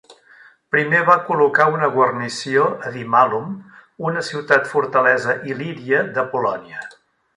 Primer va col·locar una guarnició a Dimallum, una ciutat-fortalesa il·líria d'Apol·lònia.